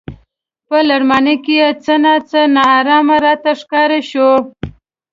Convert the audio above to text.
په لړمانه کې څه نا څه نا ارامه راته ښکاره شو.